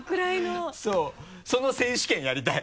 その選手権やりたい。